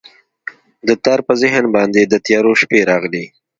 د تار په ذهن باندې، د تیارو شپې راغلي